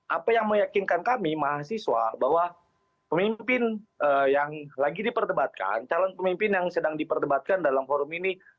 apa yang meyakinkan kami mahasiswa bahwa pemimpin yang lagi diperdebatkan calon pemimpin yang sedang diperdebatkan dalam forum ini